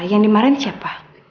yang dimarahin siapa